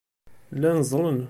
Llan ẓẓlen.